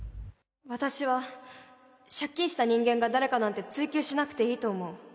私は借金した人間が誰かなんて追及しなくていいと思う。